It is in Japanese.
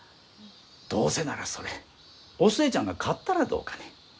どうせならそれお寿恵ちゃんが買ったらどうかね？